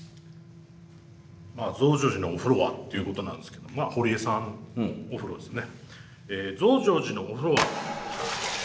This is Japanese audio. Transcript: まあ増上寺のお風呂はっていうことなんですけど堀江さんのお風呂ですね。